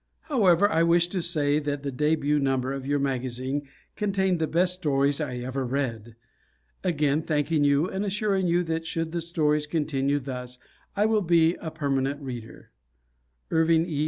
However, I wish to say that the debut number of your magazine contained the best stories I ever read. Again thanking you and assuring you that should the stories continue thus I will be a permanent reader Irving E.